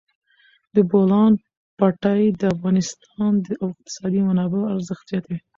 د بولان پټي د افغانستان د اقتصادي منابعو ارزښت زیاتوي.